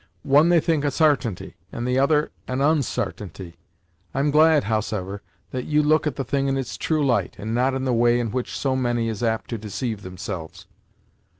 One they think a sartainty, and the other an onsartainty. I'm glad, howsever, that you look at the thing in its true light, and not in the way in which so many is apt to deceive themselves."